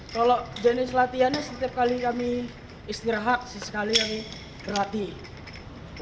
kalau jenis latihannya setiap kali kami istirahat sesekali kami berlatih